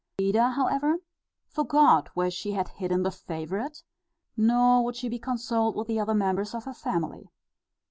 Beda, however, forgot where she had hidden the favourite, nor would she be consoled with the other members of her family.